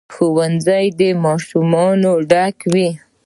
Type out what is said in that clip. ښوونځي د ماشومانو ډک وي.